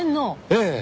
ええ。